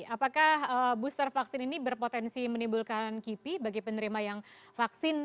apakah booster vaksin ini berpotensi menimbulkan kipi bagi penerima yang vaksin